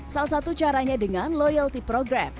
salah satu caranya dengan loyalty program